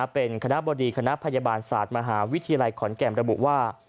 เป็นคณะบดีคณะพยาบาลศาสตร์มหาวิทยาลัยขอนแก่นระบุว่า